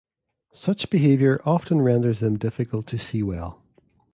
Such behavior often renders them difficult to see well.